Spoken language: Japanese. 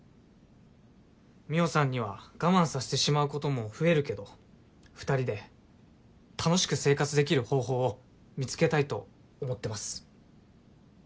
美帆さんには我慢させてしまうことも増えるけど２人で楽しく生活できる方法を見つけたいと思ってます。